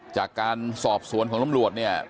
จากการสอบสวนของตำรวจเนี่ย